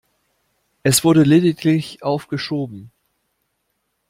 Es wurde lediglich aufgeschoben.